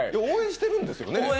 応援してるんですよね？